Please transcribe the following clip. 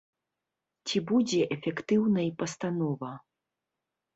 Ці будзе эфектыўнай пастанова?